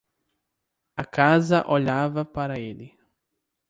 A casa olhava para ele.